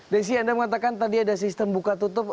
desi anda mengatakan tadi ada sistem buka tutup